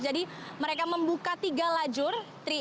jadi mereka membuka tiga lajur